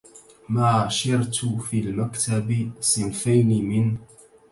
ما شرت في المكتب صنفين من